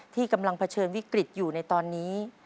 ที่กำลังเผชิญวิกฤตอยู่ในตอนนี้